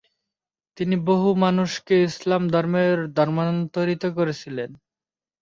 তিনি বহু মানুষকে ইসলাম ধর্মে ধর্মান্তরিত করেছিলেন।